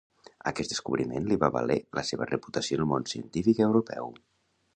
Aquest descobriment li va valer la seva reputació en el món científic europeu.